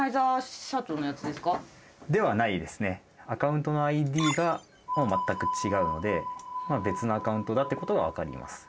アカウントのＩＤが全く違うので別のアカウントだっていうことが分かります。